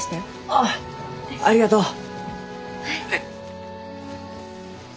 ああありがとう！